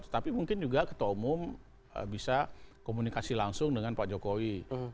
tapi mungkin juga ketua umum bisa komunikasi langsung dengan pak jokowi